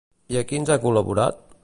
I a quins ha col·laborat?